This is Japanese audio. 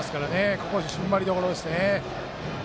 ここ、ふんばりどころですね。